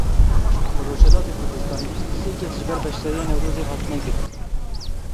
Li Rojhilatê Kurdistanê bîst û sê kes ji ber beşdariya Newrozê hatine girtin.